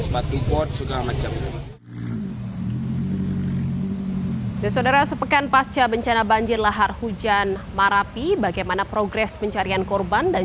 saudara sepekan pasca bencana banjir lahar hujan marapi bagaimana progres pencarian korban dan